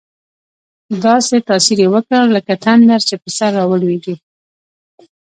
داسې تاثیر یې وکړ، لکه تندر چې پر سر راولوېږي.